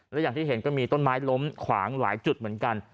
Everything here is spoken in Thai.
และอย่างที่เห็นก็มีต้นไม้ล้มขวางหลายจุดเหมือนกัน